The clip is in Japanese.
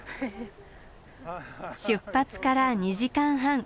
出発から２時間半。